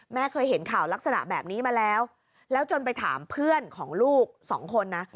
เคยเห็นข่าวลักษณะแบบนี้มาแล้วแล้วจนไปถามเพื่อนของลูกสองคนนะ